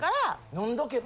飲んどけば。